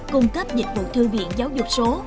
cung cấp dịch vụ thư viện giáo dục số